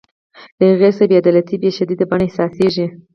له هغې څخه بې عدالتي په شدیده بڼه احساسیږي.